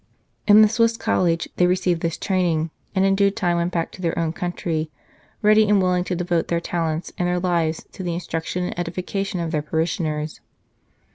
In the Swiss College they received this train ing, and in due time went back to their own country, ready and willing to devote their talents and their lives to the instruction and edification of their parishioners.